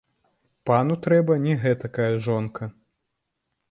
Пану трэба не гэтакая жонка.